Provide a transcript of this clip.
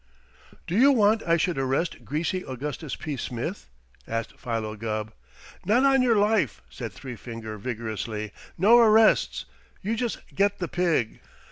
"Do you want I should arrest Greasy Augustus P. Smith?" asked Philo Gubb. "Not on your life!" said Three Finger vigorously. "No arrests! You just get the pig."